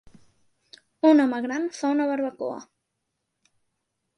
Un home gran fa una barbacoa